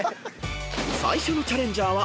［最初のチャレンジャーは］